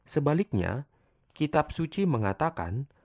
sebaliknya kitab suci mengatakan